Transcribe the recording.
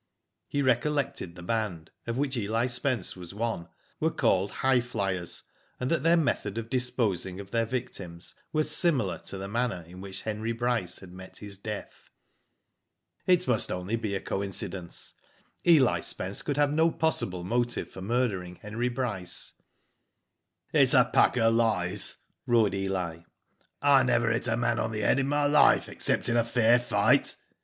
He recollected the band, of which Eli Spence was one, were called " Highflyers," and that their method of disposing of their victims was similar to the manner in which Henry Bryce had met his death. It must be only a coincidence. Eli Spence could have no possible motive for murdering Henry Bryce. •Digitized byGoogk OLD WIDE AWAKE. 87 It's a pack of lies/* roared Eli, "I never hit a man on the head in my life except in fair fight.